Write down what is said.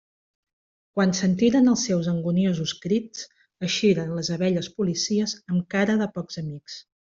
Quan sentiren els seus anguniosos crits, eixiren les abelles policies amb cara de pocs amics.